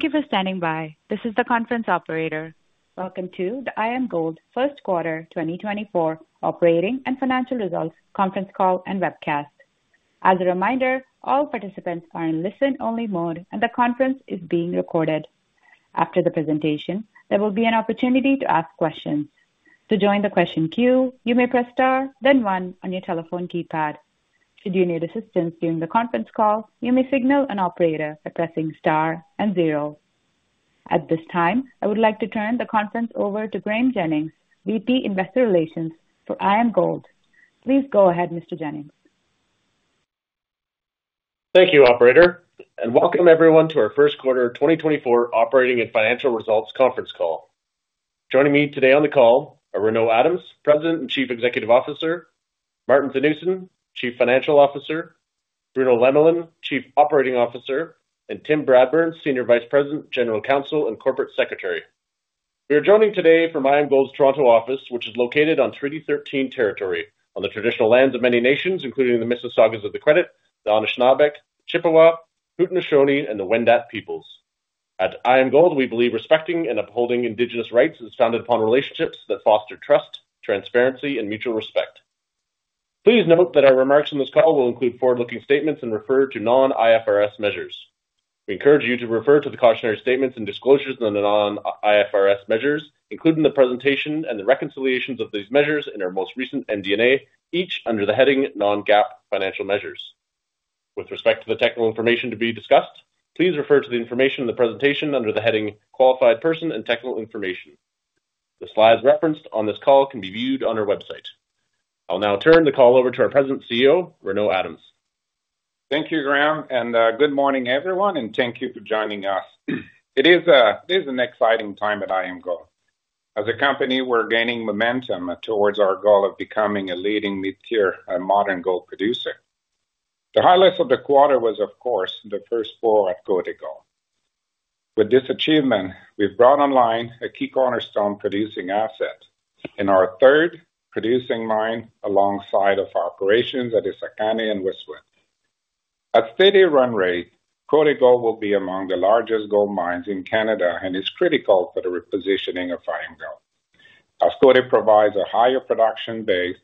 Thank you for standing by. This is the conference operator. Welcome to the IAMGOLD Q1 2024 Operating and Financial Results Conference Call and Webcast. As a reminder, all participants are in listen-only mode and the conference is being recorded. After the presentation, there will be an opportunity to ask questions. To join the question queue, you may press * then 1 on your telephone keypad. Should you need assistance during the conference call, you may signal an operator by pressing * and 0. At this time, I would like to turn the conference over to Graeme Jennings, VP Investor Relations, for IAMGOLD. Please go ahead, Mr. Jennings. Thank you, operator, and welcome everyone to our Q1 2024 Operating and Financial Results Conference Call. Joining me today on the call are Renaud Adams, President and Chief Executive Officer, Maarten Theunissen, Chief Financial Officer, Bruno Lemelin, Chief Operating Officer, and Tim Bradburn, Senior Vice President, General Counsel, and Corporate Secretary. We are joining today from IAMGOLD's Toronto office, which is located on Treaty 13 territory, on the traditional lands of many nations, including the Mississaugas of the Credit, the Anishinaabek, Chippewa, Haudenosaunee, and the Wendat peoples. At IAMGOLD, we believe respecting and upholding Indigenous rights is founded upon relationships that foster trust, transparency, and mutual respect. Please note that our remarks on this call will include forward-looking statements and refer to non-IFRS measures. We encourage you to refer to the cautionary statements and disclosures on the Non-IFRS measures, including the presentation and the reconciliations of these measures in our most recent MD&A, each under the heading Non-GAAP Financial Measures. With respect to the technical information to be discussed, please refer to the information in the presentation under the heading Qualified Person and Technical Information. The slides referenced on this call can be viewed on our website. I'll now turn the call over to our President and CEO, Renaud Adams. Thank you, Graeme, and good morning everyone, and thank you for joining us. It is an exciting time at IAMGOLD. As a company, we're gaining momentum towards our goal of becoming a leading mid-tier modern gold producer. The highlight of the quarter was, of course, the first pour at Côté Gold. With this achievement, we've brought online a key cornerstone producing asset in our third producing mine alongside of our operations at Essakane and Westwood. At steady run rate, Côté Gold will be among the largest gold mines in Canada and is critical for the repositioning of IAMGOLD. As Côté Gold provides a higher production base,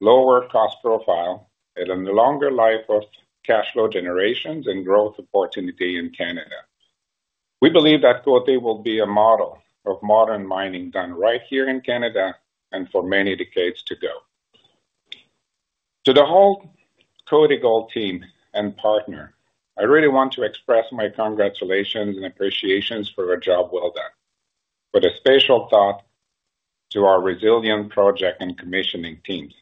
lower cost profile, and a longer life of cash flow generations and growth opportunity in Canada, we believe that Côté Gold will be a model of modern mining done right here in Canada and for many decades to go. To the whole Côté Gold team and partner, I really want to express my congratulations and appreciations for your job well done, with a special thought to our resilient project and commissioning teams.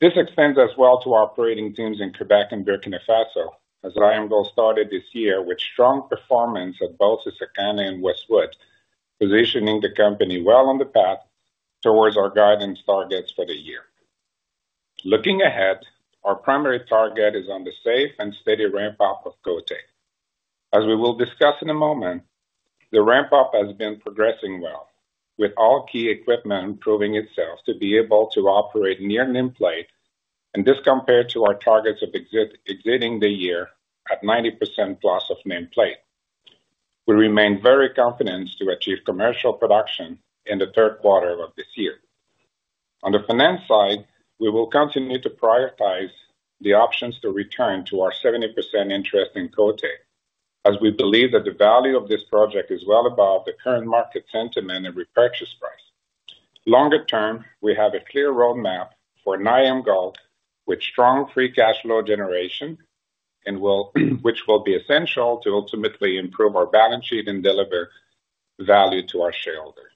This extends as well to our operating teams in Quebec and Burkina Faso, as IAMGOLD started this year with strong performance at both Essakane and Westwood, positioning the company well on the path towards our guidance targets for the year. Looking ahead, our primary target is on the safe and steady ramp-up of Côté Gold. As we will discuss in a moment, the ramp-up has been progressing well, with all key equipment proving itself to be able to operate near nameplate, and this compared to our targets of exiting the year at 90%+ of nameplate. We remain very confident to achieve commercial production in the Q3 of this year. On the finance side, we will continue to prioritize the options to return to our 70% interest in Côté, as we believe that the value of this project is well above the current market sentiment and repurchase price. Longer term, we have a clear roadmap for an IAMGOLD with strong free cash flow generation, which will be essential to ultimately improve our balance sheet and deliver value to our shareholders.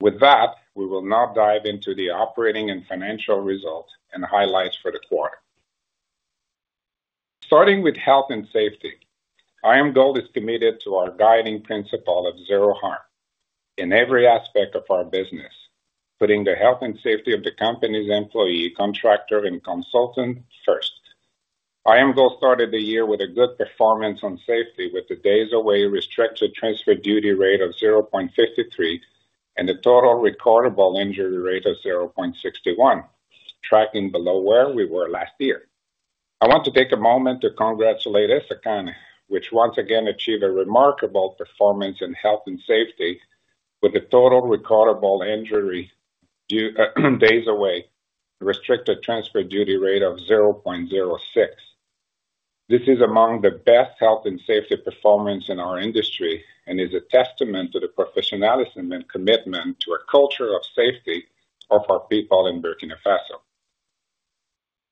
With that, we will now dive into the operating and financial results and highlights for the quarter. Starting with health and safety, IAMGOLD is committed to our guiding principle of zero harm in every aspect of our business, putting the health and safety of the company's employee, contractor, and consultant first. IAMGOLD started the year with a good performance on safety, with the days away restricted transfer duty rate of 0.53 and the total recordable injury rate of 0.61, tracking below where we were last year. I want to take a moment to congratulate Essakane, which once again achieved a remarkable performance in health and safety, with the total recordable injury days away restricted transfer duty rate of 0.06. This is among the best health and safety performance in our industry and is a testament to the professionalism and commitment to a culture of safety of our people in Burkina Faso.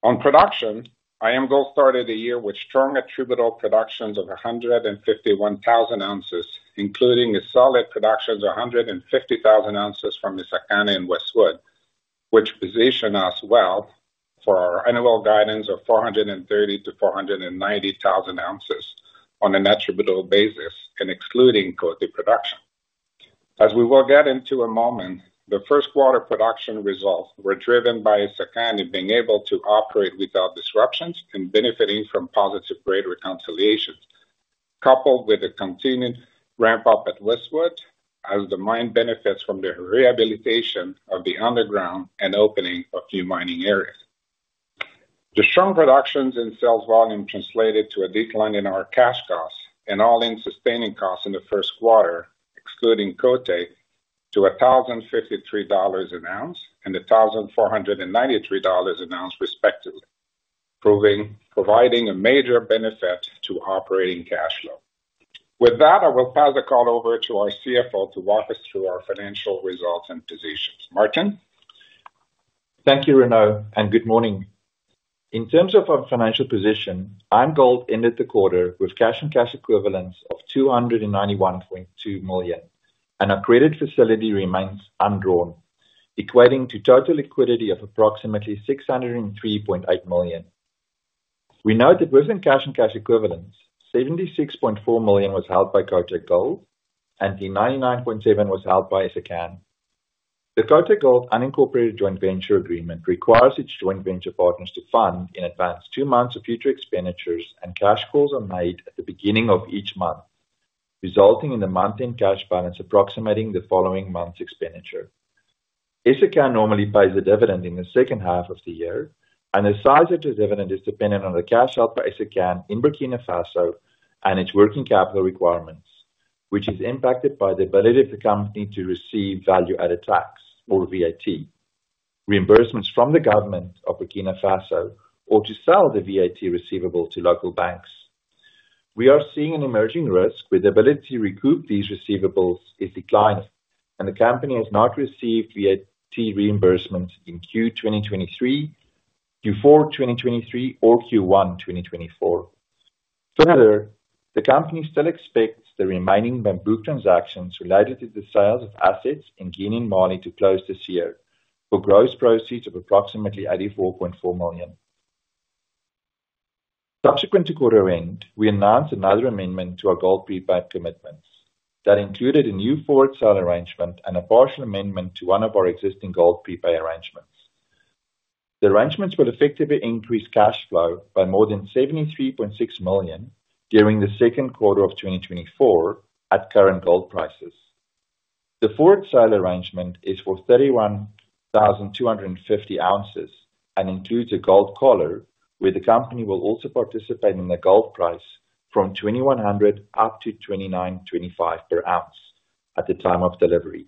On production, IAMGOLD started the year with strong attributable productions of 151,000 ounces, including a solid production of 150,000 ounces from Essakane and Westwood, which positioned us well for our annual guidance of 430,000-490,000 ounces on an attributable basis, excluding Côté production. As we will get into in a moment, the Q1 production results were driven by Essakane being able to operate without disruptions and benefiting from positive grade reconciliations, coupled with a continued ramp-up at Westwood as the mine benefits from the rehabilitation of the underground and opening of new mining areas. The strong production and sales volume translated to a decline in our cash costs, all-in sustaining costs in the Q1, excluding Côté, to $1,053 an ounce and $1,493 an ounce, respectively, providing a major benefit to operating cash flow. With that, I will pass the call over to our CFO to walk us through our financial results and positions. Maarten? Thank you, Renaud, and good morning. In terms of our financial position, IAMGOLD ended the quarter with cash and cash equivalents of $291.2 million, and our credit facility remains undrawn, equating to total liquidity of approximately $603.8 million. We note that within cash and cash equivalents, $76.4 million was held by Côté Gold, and the $99.7 million was held by Essakane. The Côté Gold unincorporated joint venture agreement requires its joint venture partners to fund in advance two months of future expenditures, and cash calls are made at the beginning of each month, resulting in a month-end cash balance approximating the following month's expenditure. Essakane normally pays a dividend in the second half of the year, and the size of the dividend is dependent on the cash held by Essakane in Burkina Faso and its working capital requirements, which is impacted by the ability of the company to receive value-added tax, or VAT, reimbursements from the government of Burkina Faso, or to sell the VAT receivable to local banks. We are seeing an emerging risk with the ability to recoup these receivables declining, and the company has not received VAT reimbursements in Q1 2023, Q4 2023, or Q1 2024. Further, the company still expects the remaining Bambouk transactions related to the sales of assets in Guinea and Mali to close this year for gross proceeds of approximately $84.4 million. Subsequent to quarter end, we announced another amendment to our gold prepay commitments that included a new forward sale arrangement and a partial amendment to one of our existing gold prepay arrangements. The arrangements will effectively increase cash flow by more than $73.6 million during the Q2 of 2024 at current gold prices. The forward sale arrangement is for 31,250 ounces and includes a gold collar, where the company will also participate in the gold price from $2,100 up to $2,925 per ounce at the time of delivery,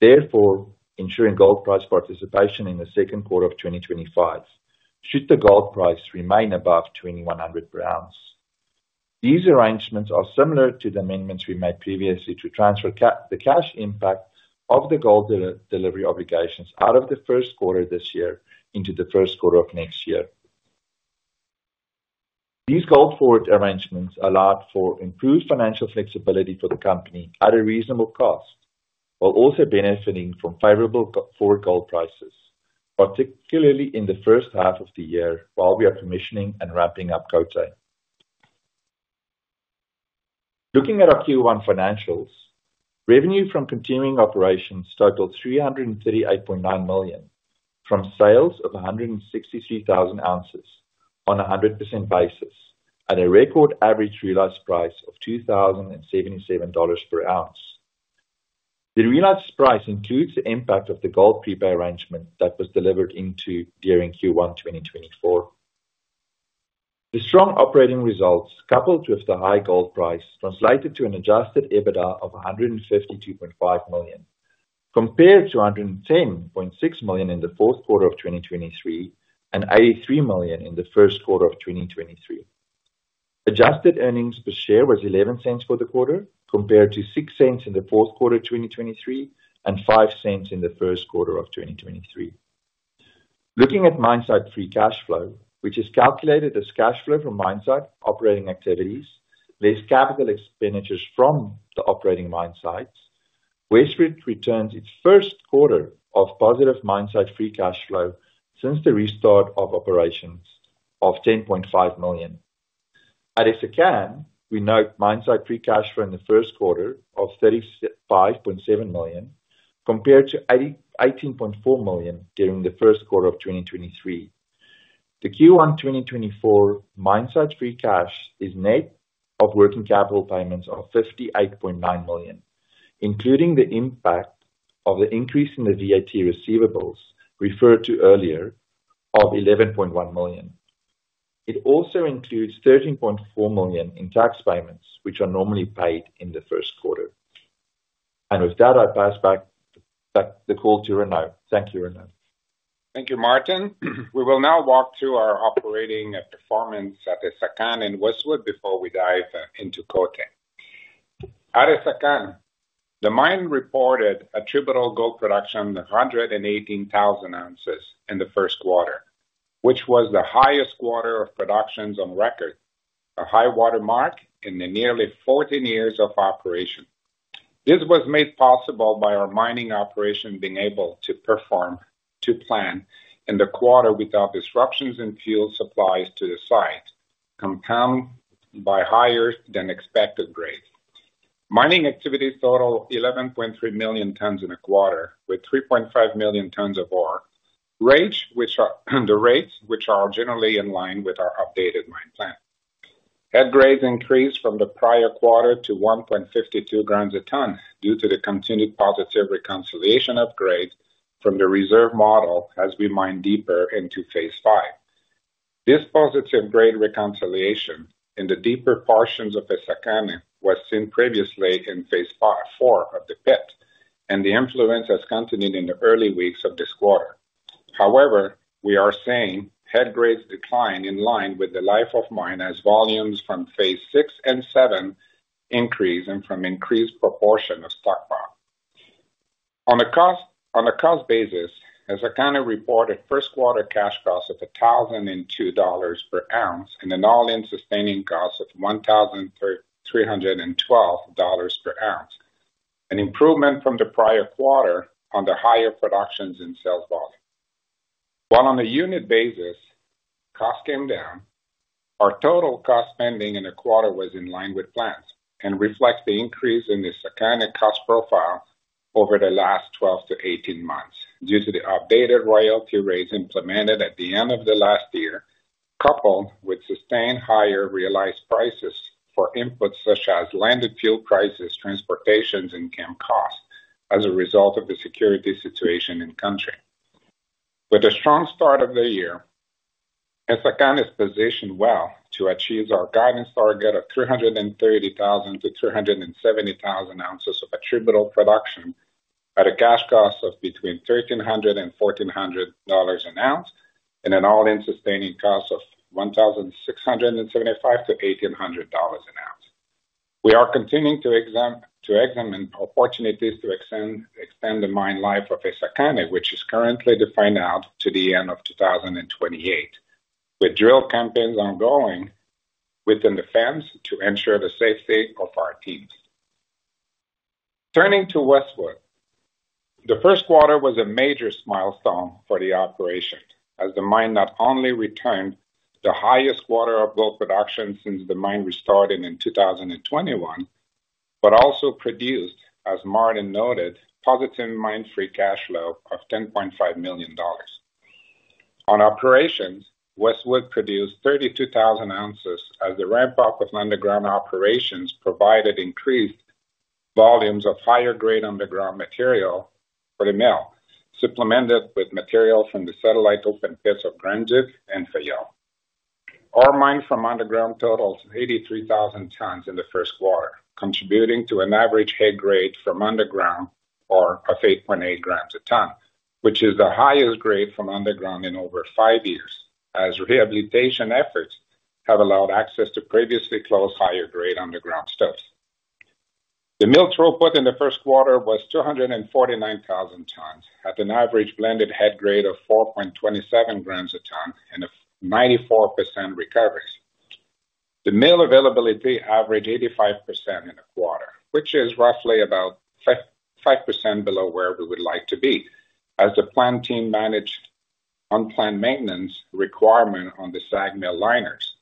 therefore ensuring gold price participation in the Q2 of 2025 should the gold price remain above $2,100 per ounce. These arrangements are similar to the amendments we made previously to transfer the cash impact of the gold delivery obligations out of the Q1 this year into the Q1 of next year. These gold forward arrangements allowed for improved financial flexibility for the company at a reasonable cost while also benefiting from favorable forward gold prices, particularly in the first half of the year while we are commissioning and ramping up Côté. Looking at our Q1 financials, revenue from continuing operations totaled $338.9 million from sales of 163,000 ounces on a 100% basis at a record average realized price of $2,077 per ounce. The realized price includes the impact of the gold prepay arrangement that was delivered into during Q1 2024. The strong operating results, coupled with the high gold price, translated to an Adjusted EBITDA of $152.5 million compared to $110.6 million in the Q4 of 2023 and $83 million in the Q1 of 2023. Adjusted earnings per share was $0.11 for the quarter compared to $0.06 in the Q4 2023 and $0.05 in the Q1 of 2023. Looking at mine site free cash flow, which is calculated as cash flow from mine site operating activities, less capital expenditures from the operating mine sites, Westwood returns its Q1 of positive mine site free cash flow since the restart of operations of $10.5 million. At Essakane, we note mine site free cash flow in the Q1 of $35.7 million compared to $18.4 million during the Q1 of 2023. The Q1 2024 mine site free cash is net of working capital payments of $58.9 million, including the impact of the increase in the VAT receivables referred to earlier of $11.1 million. It also includes $13.4 million in tax payments, which are normally paid in the Q1. With that, I pass back the call to Renaud. Thank you, Renaud. Thank you, Maarten. We will now walk through our operating performance at Essakane and Westwood before we dive into Côté. At Essakane, the mine reported attributable gold production of 118,000 ounces in the Q1, which was the highest quarter of productions on record, a high watermark in nearly 14 years of operation. This was made possible by our mining operation being able to perform to plan in the quarter without disruptions in fuel supplies to the site, compounded by higher than expected grades. Mining activities total 11.3 million tons in a quarter with 3.5 million tons of ore, the rates which are generally in line with our updated mine plan. Head grades increased from the prior quarter to 1.52 grams a ton due to the continued positive reconciliation of grades from the reserve model as we mine deeper into phase five. This positive grade reconciliation in the deeper portions of Essakane was seen previously in phase four of the pit, and the influence has continued in the early weeks of this quarter. However, we are seeing head grades decline in line with the life of mine as volumes from phase six and seven increase and from increased proportion of stockpile. On a cost basis, Essakane reported Q1 cash costs of $1,002 per ounce and an all-in sustaining cost of $1,312 per ounce, an improvement from the prior quarter on the higher productions in sales volume. While on a unit basis, cost came down, our total cost spending in a quarter was in line with plans and reflects the increase in Essakane cost profile over the last 12-18 months due to the updated royalty rates implemented at the end of the last year, coupled with sustained higher realized prices for inputs such as landed fuel prices, transportation, and camp costs as a result of the security situation in country. With a strong start of the year, Essakane is positioned well to achieve our guidance target of 330,000-370,000 ounces of attributable production at a cash cost of between $1,300 and $1,400 an ounce and an all-in sustaining cost of $1,675-$1,800 an ounce. We are continuing to examine opportunities to extend the mine life of Essakane, which is currently defined out to the end of 2028, with drill campaigns ongoing within the fence to ensure the safety of our teams. Turning to Westwood, the Q1 was a major milestone for the operation as the mine not only returned the highest quarter of gold production since the mine restarted in 2021 but also produced, as Maarten noted, positive mine free cash flow of $10.5 million. On operations, Westwood produced 32,000 ounces as the ramp-up of underground operations provided increased volumes of higher grade underground material for the mill, supplemented with material from the satellite open pits of Grand Duc and Fayolle. Our mine from underground totals 83,000 tons in the Q1, contributing to an average head grade from underground of 8.8 grams a ton, which is the highest grade from underground in over five years as rehabilitation efforts have allowed access to previously closed higher grade underground stopes. The mill throughput in the Q1 was 249,000 tons at an average blended head grade of 4.27 grams a ton and 94% recovery. The mill availability averaged 85% in the quarter, which is roughly about 5% below where we would like to be as the plant team managed unplanned maintenance requirement on the SAG mill liners,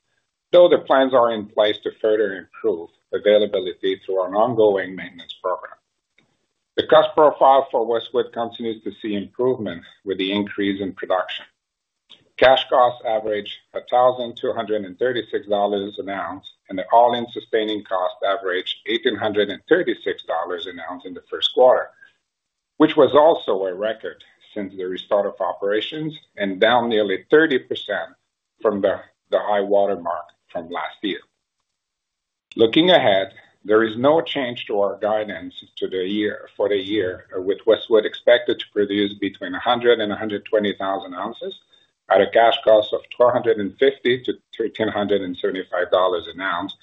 though the plans are in place to further improve availability through our ongoing maintenance program. The cost profile for Westwood continues to see improvement with the increase in production. Cash costs average $1,236 an ounce, and the All-in Sustaining Costs average $1,836 an ounce in the Q1, which was also a record since the restart of operations and down nearly 30% from the high watermark from last year. Looking ahead, there is no change to our guidance for the year with Westwood expected to produce between 100 and 120,000 ounces at a cash cost of $450-$1,375 an ounce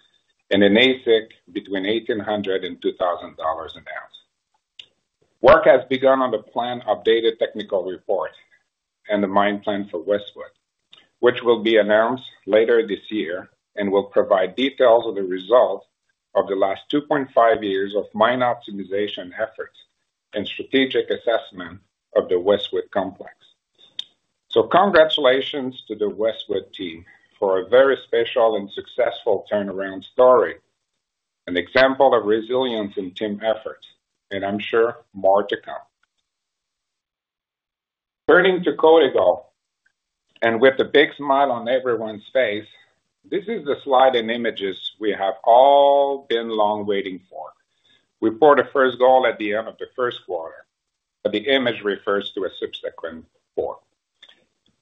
and an AISC between $1,800-$2,000 an ounce. Work has begun on the plan updated technical report and the mine plan for Westwood, which will be announced later this year and will provide details of the result of the last 2.5 years of mine optimization efforts and strategic assessment of the Westwood complex. So congratulations to the Westwood team for a very special and successful turnaround story, an example of resilience and team efforts, and I'm sure more to come. Turning to Côté Gold and with a big smile on everyone's face, this is the slide and images we have all been long waiting for. We poured first gold at the end of the Q1, but the image refers to a subsequent pour.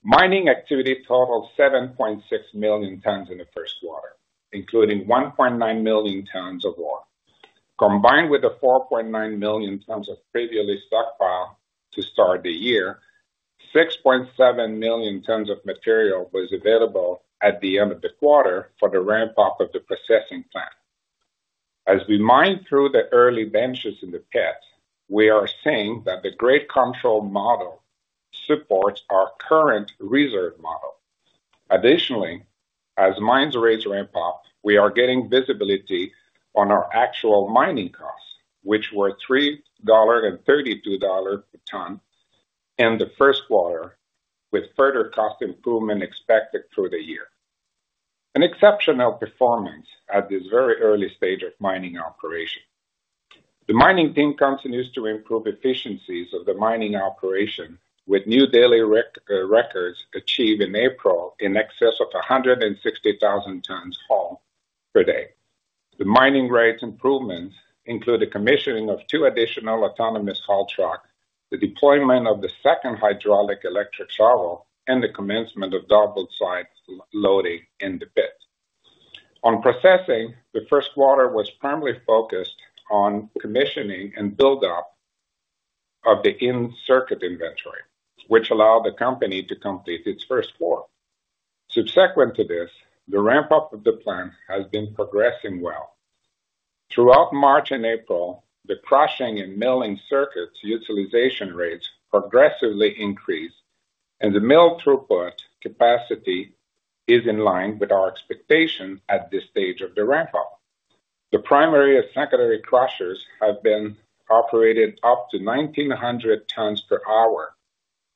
Mining activity totaled 7.6 million tons in the Q1, including 1.9 million tons of ore. Combined with the 4.9 million tons of previously stockpiled to start the year, 6.7 million tons of material was available at the end of the quarter for the ramp-up of the processing plant. As we mine through the early benches in the pit, we are seeing that the grade control model supports our current reserve model. Additionally, as mine rate ramp up, we are getting visibility on our actual mining costs, which were $3 and $32 ton in the Q1 with further cost improvement expected through the year. An exceptional performance at this very early stage of mining operation. The mining team continues to improve efficiencies of the mining operation with new daily records achieved in April in excess of 160,000 tons haul per day. The mining rates improvements include the commissioning of two additional autonomous haul trucks, the deployment of the second hydraulic electric shovel, and the commencement of double side loading in the pit. On processing, the Q1 was primarily focused on commissioning and buildup of the in-circuit inventory, which allowed the company to complete its Q1. Subsequent to this, the ramp-up of the plant has been progressing well. Throughout March and April, the crushing and milling circuits utilization rates progressively increased, and the mill throughput capacity is in line with our expectations at this stage of the ramp-up. The primary and secondary crushers have been operated up to 1,900 tons per hour,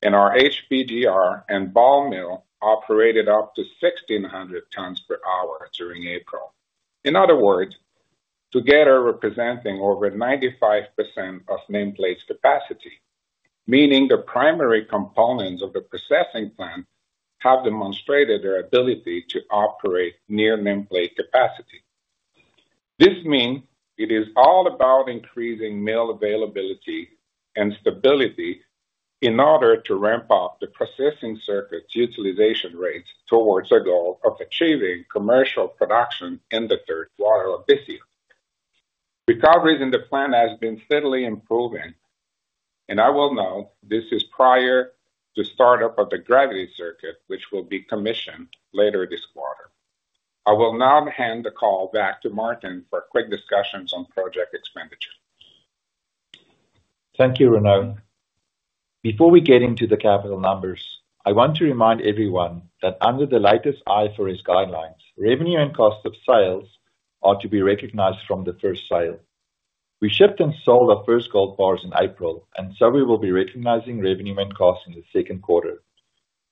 and our HPGR and ball mill operated up to 1,600 tons per hour during April. In other words, together representing over 95% of nameplate capacity, meaning the primary components of the processing plant have demonstrated their ability to operate near nameplate capacity. This means it is all about increasing mill availability and stability in order to ramp up the processing circuit utilization rates towards the goal of achieving commercial production in the Q3 of this year. Recoveries in the plant have been steadily improving, and I will note this is prior to startup of the gravity circuit, which will be commissioned later this quarter. I will now hand the call back to Maarten for quick discussions on project expenditure. Thank you, Renaud. Before we get into the capital numbers, I want to remind everyone that under the latest IFRS guidelines, revenue and cost of sales are to be recognized from the first sale. We shipped and sold our first gold bars in April, and so we will be recognizing revenue and cost in the Q2.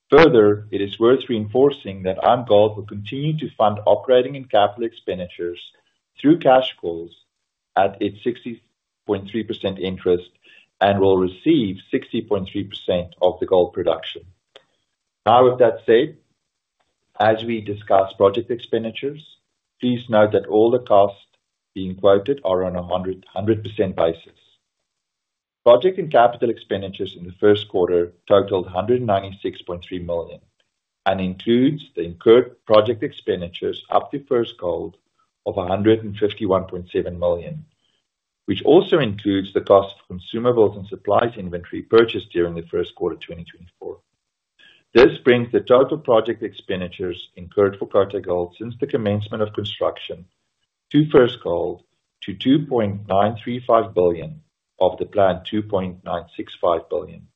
Further, it is worth reinforcing that IAMGOLD will continue to fund operating and capital expenditures through cash calls at its 60.3% interest and will receive 60.3% of the gold production. Now, with that said, as we discuss project expenditures, please note that all the costs being quoted are on a 100% basis. Project and capital expenditures in the Q1 totaled $196.3 million and includes the incurred project expenditures up to first gold of $151.7 million, which also includes the cost of consumables and supplies inventory purchased during the Q1 2024. This brings the total project expenditures incurred for Côté Gold since the commencement of construction to first gold to $2.935 billion of the planned $2.965 billion.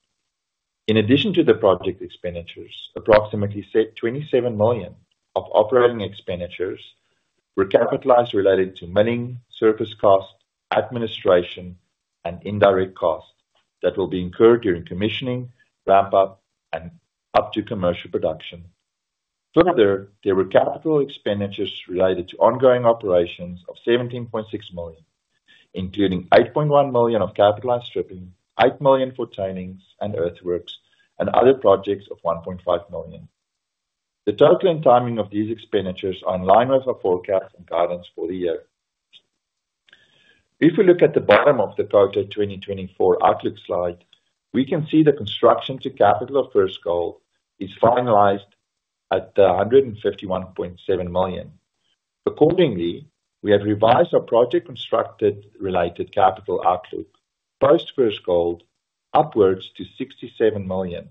In addition to the project expenditures, approximately $27 million of operating expenditures were capitalized related to milling, surface cost, administration, and indirect costs that will be incurred during commissioning, ramp-up, and up to commercial production. Further, there were capital expenditures related to ongoing operations of $17.6 million, including $8.1 million of capitalized stripping, $8 million for tailings and earthworks, and other projects of $1.5 million. The total and timing of these expenditures are in line with our forecast and guidance for the year. If we look at the bottom of the Côté 2024 outlook slide, we can see the construction capital for first gold is finalized at $151.7 million. Accordingly, we have revised our project construction-related capital outlook post first gold upwards to $67 million,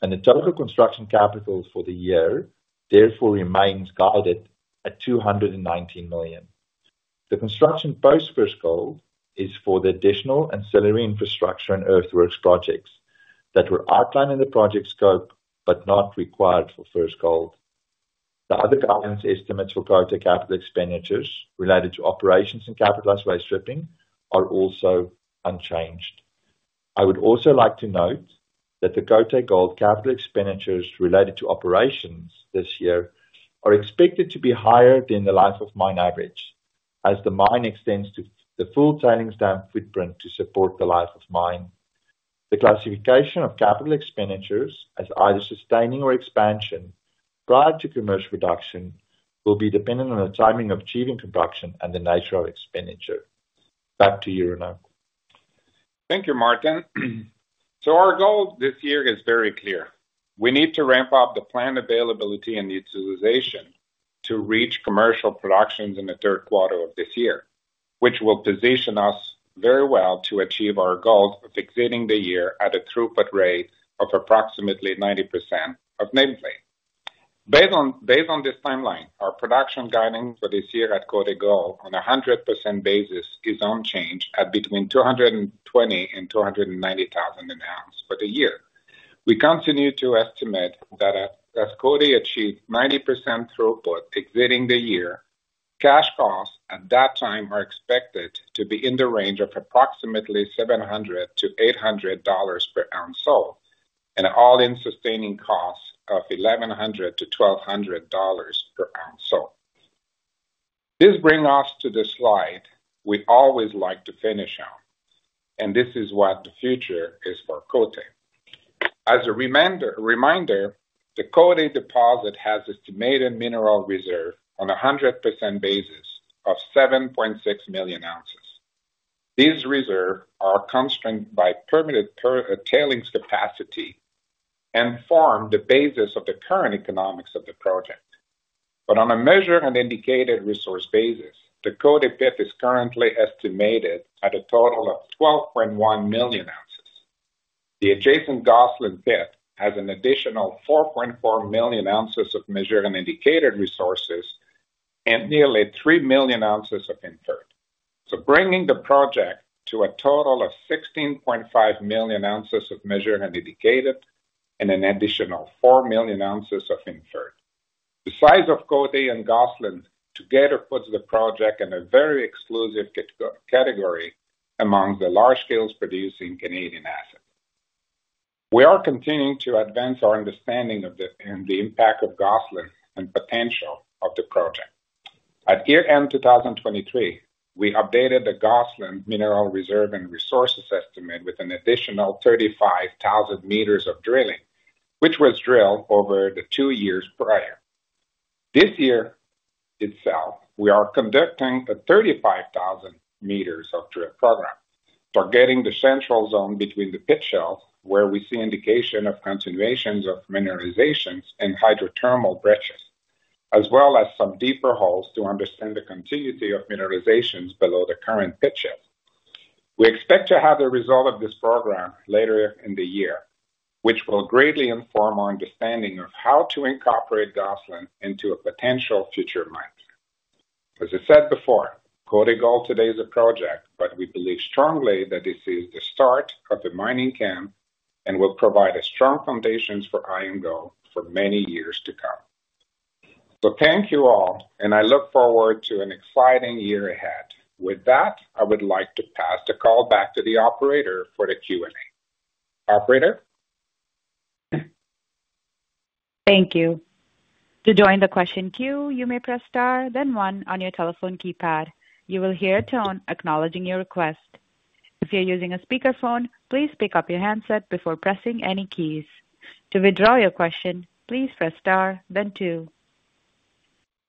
and the total construction capital for the year therefore remains guided at $219 million. The construction post first gold is for the additional ancillary infrastructure and earthworks projects that were outlined in the project scope but not required for first gold. The other guidance estimates for Côté capital expenditures related to operations and capitalized waste stripping are also unchanged. I would also like to note that the Côté Gold capital expenditures related to operations this year are expected to be higher than the life of mine average as the mine extends to the full tailings dam footprint to support the life of mine. The classification of capital expenditures as either sustaining or expansion prior to commercial production will be dependent on the timing of achieving production and the nature of expenditure. Back to you, Renaud. Thank you, Maarten. So our goal this year is very clear. We need to ramp up the plant availability and utilization to reach commercial production in the Q3 of this year, which will position us very well to achieve our goal of exiting the year at a throughput rate of approximately 90% of nameplate. Based on this timeline, our production guidance for this year at Côté Gold on a 100% basis is unchanged at between 220,000 and 290,000 ounces for the year. We continue to estimate that as Côté achieves 90% throughput exiting the year, cash costs at that time are expected to be in the range of approximately $700-$800 per ounce sold and all-in sustaining costs of $1,100-$1,200 per ounce sold. This brings us to the slide we always like to finish on, and this is what the future is for Côté. As a reminder, the Côté deposit has estimated mineral reserve on a 100% basis of 7.6 million ounces. These reserves are constrained by permitted tailings capacity and form the basis of the current economics of the project. But on a measured and indicated resource basis, the Côté deposit is currently estimated at a total of 12.1 million ounces. The adjacent Gosselin Pit has an additional 4.4 million ounces of measured and indicated resources and nearly 3 million ounces of inferred. So bringing the project to a total of 16.5 million ounces of measured and indicated and an additional 4 million ounces of inferred. The size of Côté and Gosselin together puts the project in a very exclusive category amongst the large-scale producing Canadian assets. We are continuing to advance our understanding of the impact of Gosselin and potential of the project. At year end 2023, we updated the Gosselin mineral reserve and resources estimate with an additional 35,000 meters of drilling, which was drilled over the two years prior. This year itself, we are conducting 35,000 meters of drill program targeting the central zone between the pit shell where we see indication of continuations of mineralizations and hydrothermal breccias, as well as some deeper holes to understand the continuity of mineralizations below the current pit shell. We expect to have the result of this program later in the year, which will greatly inform our understanding of how to incorporate Gosselin into a potential future mine. As I said before, Côté Gold today is a project, but we believe strongly that this is the start of the mining camp and will provide a strong foundation for IAMGOLD for many years to come. So thank you all, and I look forward to an exciting year ahead. With that, I would like to pass the call back to the operator for the Q&A. Operator? Thank you. To join the question queue, you may press star, then one on your telephone keypad. You will hear a tone acknowledging your request. If you're using a speakerphone, please pick up your handset before pressing any keys. To withdraw your question, please press star, then two.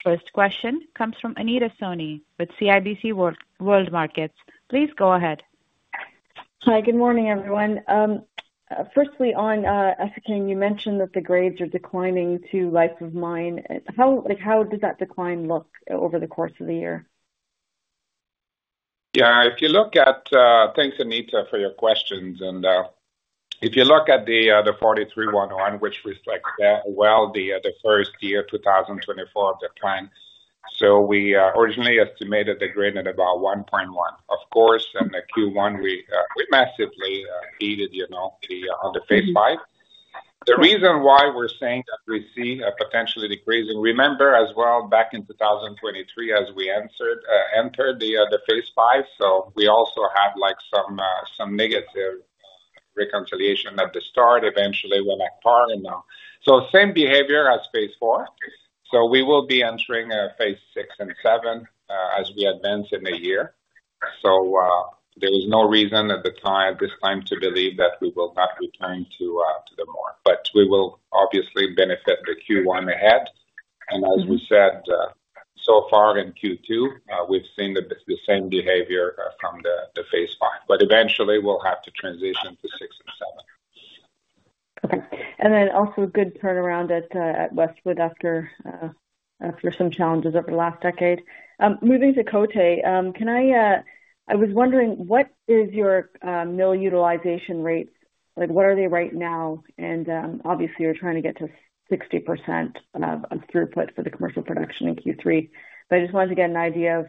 First question comes from Anita Soni with CIBC World Markets. Please go ahead. Hi. Good morning, everyone. Firstly, on asking, you mentioned that the grades are declining to life of mine. How does that decline look over the course of the year? Yeah. Thanks, Anita, for your questions. And if you look at the 43-101, which reflects well the first year 2024 of the plan. So we originally estimated the grade at about 1.1, of course, and the Q1, we massively beat it on the phase five. The reason why we're saying that we see a potentially decreasing. Remember as well, back in 2023 as we entered the phase five, so we also had some negative reconciliation at the start, eventually went at par and now. So same behavior as phase four. So we will be entering phase six and seven as we advance in the year. So there was no reason at this time to believe that we will not return to the more. But we will obviously benefit the Q1 ahead. As we said so far in Q2, we've seen the same behavior from the phase 5. Eventually, we'll have to transition to 6 and 7. Okay. And then also a good turnaround at Westwood after some challenges over the last decade. Moving to Côté, I was wondering, what is your mill utilization rate? What are they right now? And obviously, we're trying to get to 60% of throughput for the commercial production in Q3. But I just wanted to get an idea of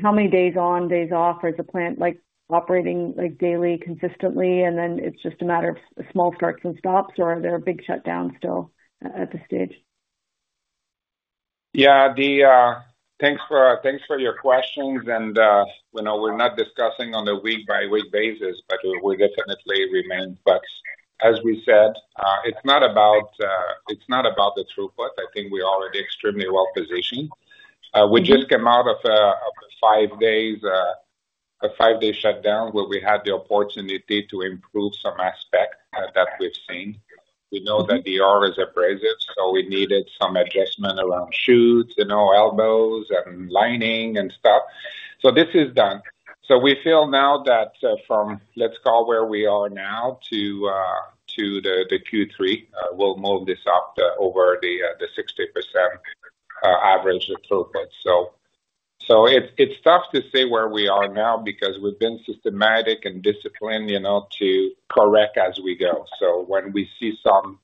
how many days on, days off, or is the plant operating daily consistently, and then it's just a matter of small starts and stops, or are there big shutdowns still at this stage? Yeah. Thanks for your questions. We're not discussing on a week-by-week basis, but we definitely remain. But as we said, it's not about the throughput. I think we're already extremely well positioned. We just came out of a five-day shutdown where we had the opportunity to improve some aspects that we've seen. We know that the ore is abrasive, so we needed some adjustment around shoes, elbows, and lining and stuff. So this is done. So we feel now that from, let's call, where we are now to the Q3, we'll move this up over the 60% average throughput. So it's tough to say where we are now because we've been systematic and disciplined to correct as we go. So when we see some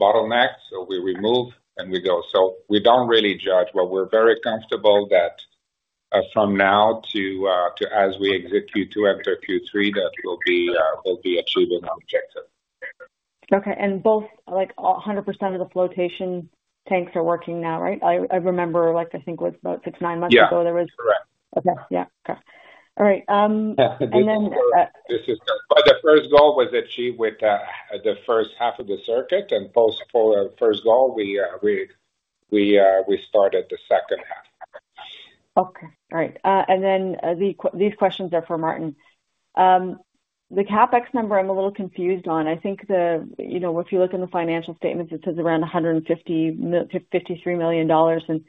bottlenecks, we remove and we go. We don't really judge, but we're very comfortable that from now to as we execute to enter Q3, that we'll be achieving our objective. Okay. And 100% of the flotation tanks are working now, right? I remember, I think, it was about six, nine months ago there was. Yes. Correct. Okay. Yeah. Okay. All right. And then. This is good. But the first goal was achieved with the first half of the circuit. Post first goal, we started the second half. Okay. All right. And then these questions are for Maarten. The CapEx number, I'm a little confused on. I think if you look in the financial statements, it says around $153 million. And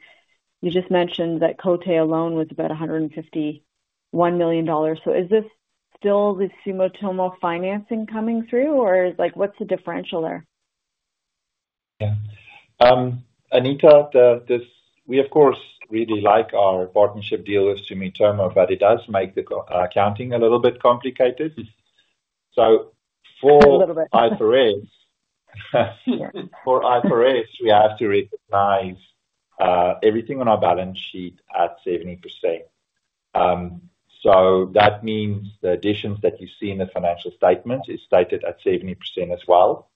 you just mentioned that Côté alone was about $151 million. So is this still the Sumitomo financing coming through, or what's the differential there? Yeah. Anita, we, of course, really like our partnership deal with Sumitomo, but it does make the accounting a little bit complicated. So for IFRS, we have to recognize everything on our balance sheet at 70%. So that means the additions that you see in the financial statements is stated at 70% as well.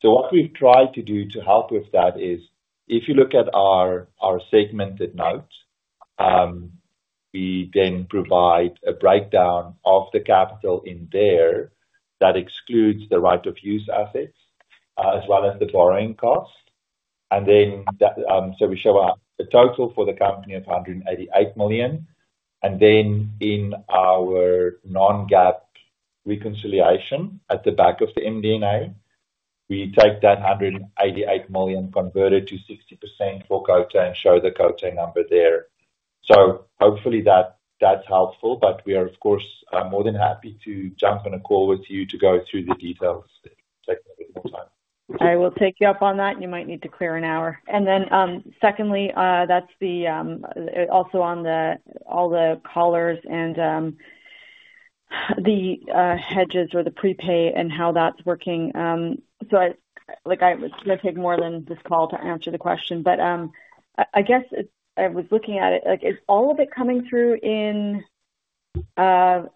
So what we've tried to do to help with that is if you look at our segmented note, we then provide a breakdown of the capital in there that excludes the right of use assets as well as the borrowing cost. And then so we show a total for the company of $188 million. And then in our non-GAAP reconciliation at the back of the MD&A, we take that $188 million converted to 60% for Côté and show the Côté number there. Hopefully, that's helpful, but we are, of course, more than happy to jump on a call with you to go through the details. It'll take a little bit more time. I will take you up on that. You might need to clear an hour. Then, secondly, that's also on all the collars and the hedges or the prepay and how that's working. I was going to take more than this call to answer the question. But I guess I was looking at it, is all of it coming through in—does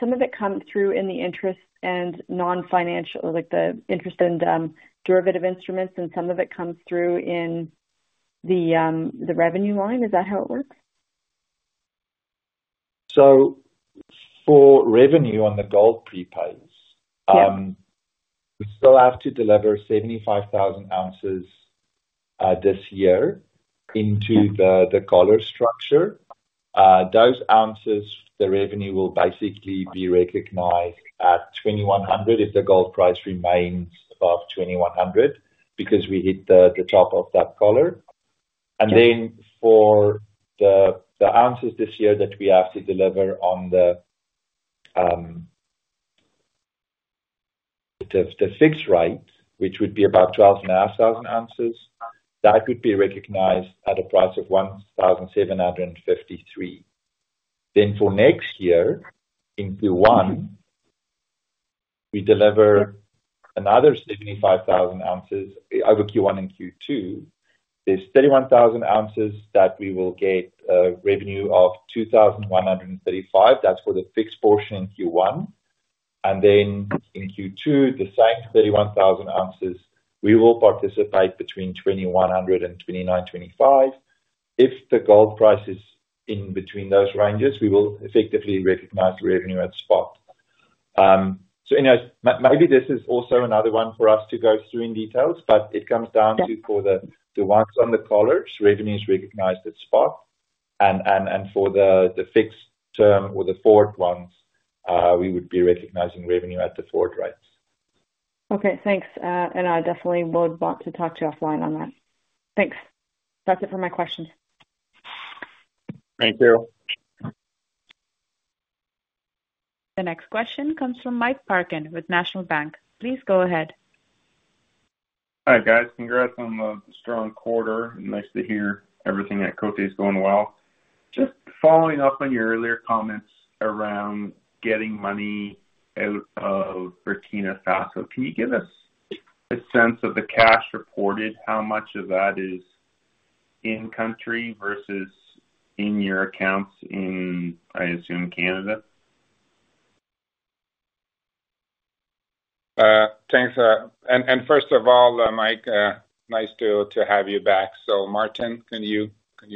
some of it come through in the interest and non-financial, the interest and derivative instruments, and some of it comes through in the revenue line? Is that how it works? So for revenue on the gold prepays, we still have to deliver 75,000 ounces this year into the collar structure. Those ounces, the revenue will basically be recognized at $2,100 if the gold price remains above $2,100 because we hit the top of that collar. And then for the ounces this year that we have to deliver on the fixed rate, which would be about 12,500 ounces, that would be recognized at a price of $1,753. Then for next year in Q1, we deliver another 75,000 ounces over Q1 and Q2. There's 31,000 ounces that we will get a revenue of $2,135. That's for the fixed portion in Q1. And then in Q2, the same 31,000 ounces, we will participate between $2,100 and $2,925. If the gold price is in between those ranges, we will effectively recognize the revenue at spot. So anyways, maybe this is also another one for us to go through in detail, but it comes down to for the ones on the collars, revenue is recognized at spot. And for the fixed term or the forward ones, we would be recognizing revenue at the forward rates. Okay. Thanks. I definitely would want to talk to you offline on that. Thanks. That's it for my questions. Thank you. The next question comes from Mike Parkin with National Bank. Please go ahead. Hi guys. Congrats on the strong quarter. Nice to hear everything at Côté is going well. Just following up on your earlier comments around getting money out of Burkina Faso, can you give us a sense of the cash reported, how much of that is in-country versus in your accounts in, I assume, Canada? Thanks. First of all, Mike, nice to have you back. Maarten, can you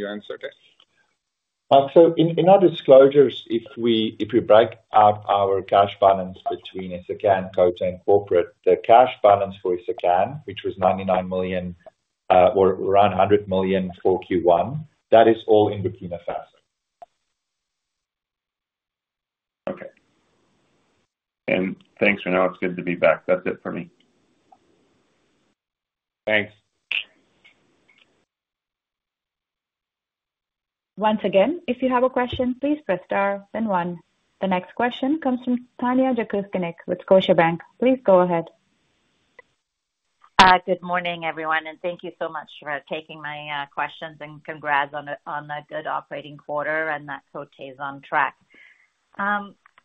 answer this? So in our disclosures, if we break out our cash balance between Essakane, Côté, and corporate, the cash balance for Essakane, which was $99 million or around $100 million for Q1, that is all in Burkina Faso. Okay. Thanks, Renaud. It's good to be back. That's it for me. Thanks. Once again, if you have a question, please press star, then one. The next question comes from Tanya Jakusconek with Scotiabank. Please go ahead. Good morning, everyone. And thank you so much for taking my questions and congrats on a good operating quarter and that Côté is on track. A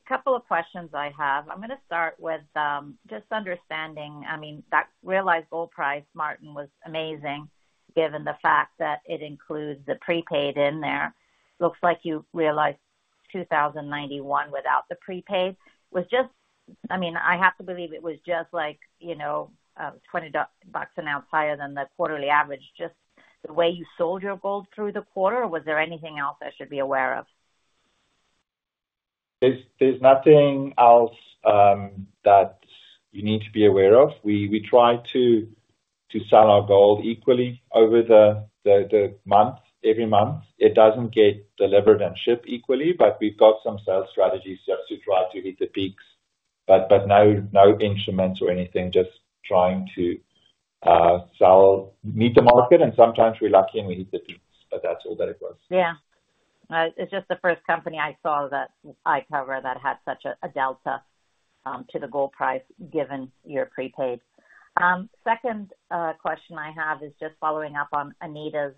couple of questions I have. I'm going to start with just understanding I mean, that realized gold price, Maarten, was amazing given the fact that it includes the prepaid in there. Looks like you realized $2,091 without the prepaid. I mean, I have to believe it was just like $20 an ounce higher than the quarterly average. Just the way you sold your gold through the quarter, was there anything else I should be aware of? There's nothing else that you need to be aware of. We try to sell our gold equally over the month, every month. It doesn't get delivered and shipped equally, but we've got some sales strategies just to try to hit the peaks. But no instruments or anything, just trying to meet the market. And sometimes we're lucky and we hit the peaks, but that's all that it was. Yeah. It's just the first company I saw that I cover that had such a delta to the gold price given your prepaid. Second question I have is just following up on Anita's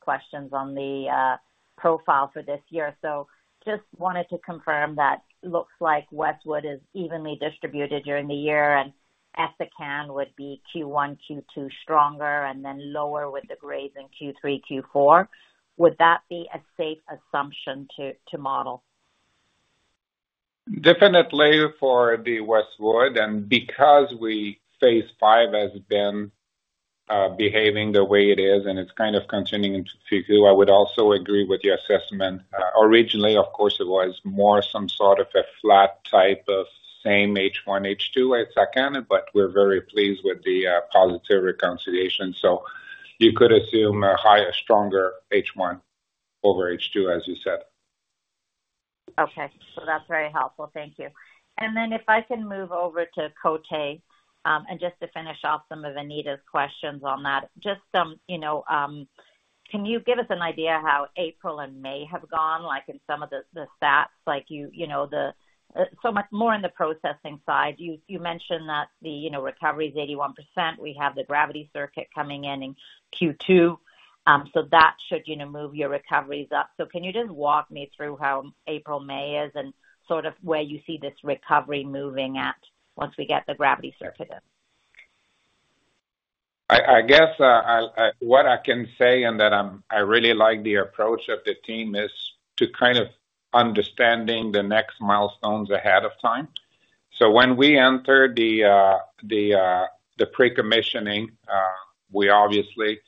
questions on the profile for this year. So just wanted to confirm that looks like Westwood is evenly distributed during the year, and Essakane would be Q1, Q2 stronger, and then lower with the grades in Q3, Q4. Would that be a safe assumption to model? Definitely for the Westwood. Because phase five has been behaving the way it is and it's kind of continuing to do, I would also agree with your assessment. Originally, of course, it was more some sort of a flat type of same H1, H2 at Essakane, but we're very pleased with the positive reconciliation. You could assume a stronger H1 over H2, as you said. Okay. So that's very helpful. Thank you. And then if I can move over to Côté and just to finish off some of Anita's questions on that, just can you give us an idea how April and May have gone in some of the stats? So much more in the processing side. You mentioned that the recovery is 81%. We have the gravity circuit coming in in Q2. So that should move your recoveries up. So can you just walk me through how April, May is, and sort of where you see this recovery moving at once we get the gravity circuit in? I guess what I can say and that I really like the approach of the team is to kind of understanding the next milestones ahead of time. So when we entered the pre-commissioning, we obviously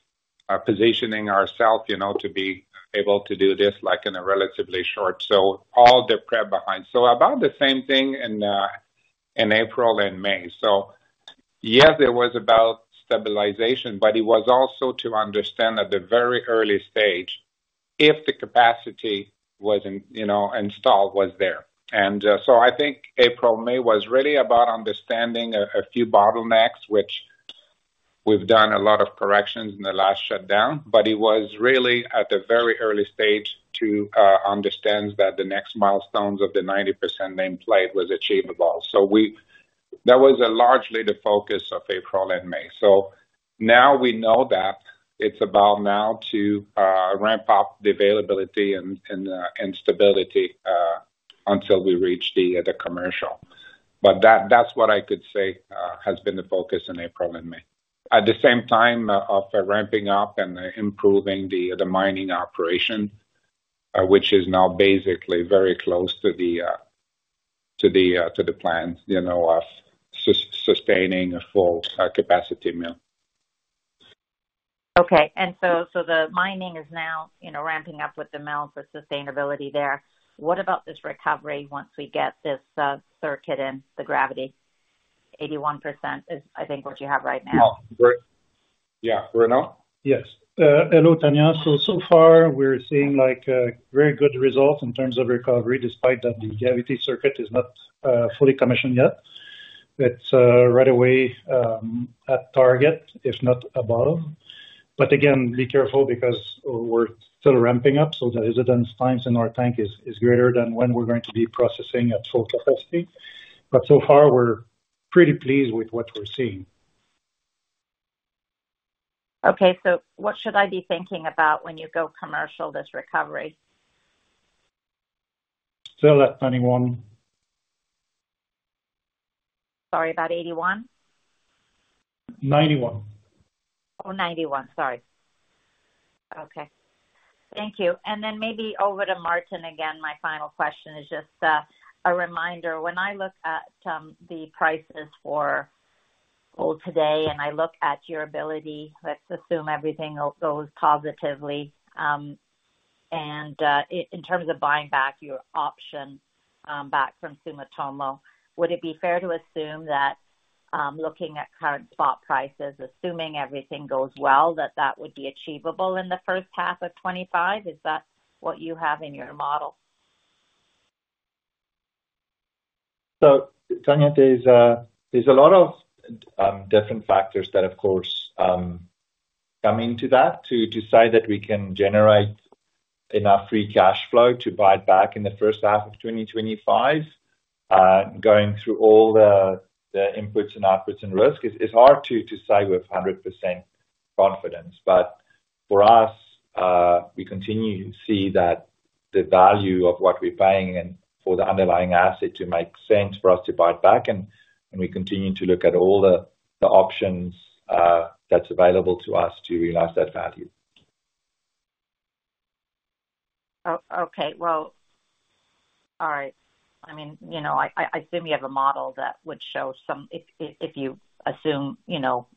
positioning ourselves to be able to do this in a relatively short so all the prep behind. So about the same thing in April and May. So yes, there was about stabilization, but it was also to understand at the very early stage if the capacity installed was there. And so I think April, May was really about understanding a few bottlenecks, which we've done a lot of corrections in the last shutdown, but it was really at the very early stage to understand that the next milestones of the 90% nameplate was achievable. So that was largely the focus of April and May. So now we know that it's about now to ramp up the availability and stability until we reach the commercial. But that's what I could say has been the focus in April and May. At the same time of ramping up and improving the mining operation, which is now basically very close to the plan of sustaining a full capacity mill. Okay. So the mining is now ramping up with the mill for sustainability there. What about this recovery once we get this circuit in, the gravity? 81% is, I think, what you have right now. Yeah. Renaud? Yes. Hello, Tanya. So so far, we're seeing very good results in terms of recovery despite that the gravity circuit is not fully commissioned yet. It's right away at target, if not above. But again, be careful because we're still ramping up, so the residence times in our tank is greater than when we're going to be processing at full capacity. But so far, we're pretty pleased with what we're seeing. Okay. So what should I be thinking about when you go commercial, this recovery? Still at 91. Sorry, about 81? 91. Oh, 91. Sorry. Okay. Thank you. And then maybe over to Maarten again, my final question is just a reminder. When I look at the prices for gold today and I look at your ability - let's assume everything goes positively - and in terms of buying back your option back from Sumitomo, would it be fair to assume that looking at current spot prices, assuming everything goes well, that that would be achievable in the first half of 2025? Is that what you have in your model? So Tanya, there's a lot of different factors that, of course, come into that to decide that we can generate enough free cash flow to buy it back in the first half of 2025. Going through all the inputs and outputs and risk, it's hard to say with 100% confidence. But for us, we continue to see that the value of what we're paying for the underlying asset to make sense for us to buy it back. And we continue to look at all the options that's available to us to realize that value. Okay. Well, all right. I mean, I assume you have a model that would show some if you assume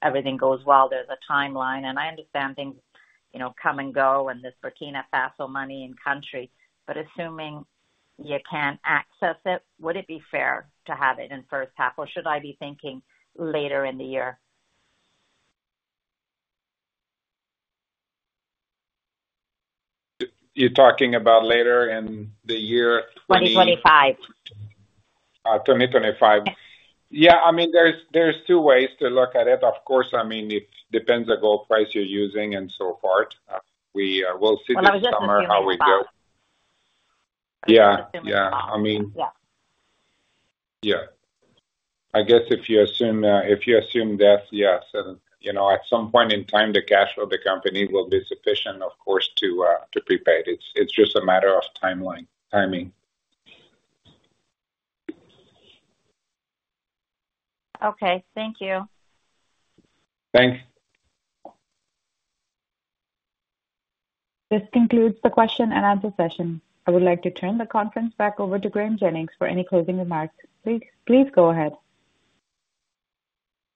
everything goes well, there's a timeline. And I understand things come and go and this Burkina Faso money in-country. But assuming you can't access it, would it be fair to have it in first half, or should I be thinking later in the year? You're talking about later in the year 2025? 2025. Yeah. I mean, there's two ways to look at it. Of course, I mean, it depends on the gold price you're using and so forth. We will see this summer how we go. I was just assuming spot. Yeah. Assuming spot. Yeah. I guess if you assume that, yes, at some point in time, the cash flow of the company will be sufficient, of course, to prepay. It's just a matter of timing. Okay. Thank you. Thanks. This concludes the question and answer session. I would like to turn the conference back over to Graeme Jennings for any closing remarks. Please go ahead.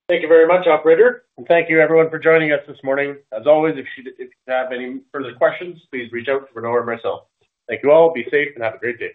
Thank you very much, operator. Thank you, everyone, for joining us this morning. As always, if you have any further questions, please reach out to Renaud or myself. Thank you all. Be safe and have a great day.